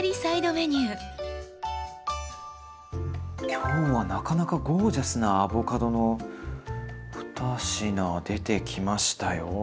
今日はなかなかゴージャスなアボカドのふた品出てきましたよ。